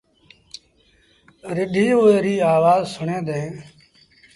رڍينٚ اُئي ريٚ آوآز سُڻيݩ دينٚ